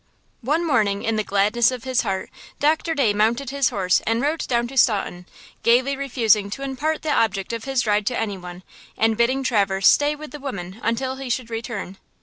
ONE morning, in the gladness of his heart, Doctor Day mounted his horse and rode down to Staunton, gayly refusing to impart the object of his ride to any one, and bidding Traverse stay with the women until he should return.